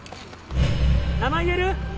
名前言える？